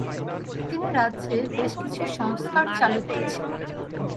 তিনি রাজ্যে বেশ কিছু সংস্কার চালু করেছিলেন।